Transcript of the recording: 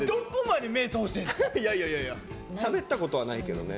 しゃべったことはないけどね。